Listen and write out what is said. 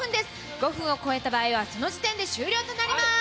５分を超えた場合は、その時点で終了となります。